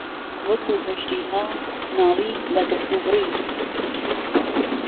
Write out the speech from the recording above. وهکوو ههژدیها ناڵی ودهخوڕی